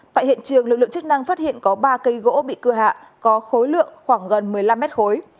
tại hiện trường lực lượng chức năng phát hiện có ba cây gỗ bị cưa hạ có khối lượng khoảng gần một mươi năm mét khối